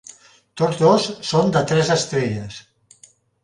Tots dos són de tres estrelles.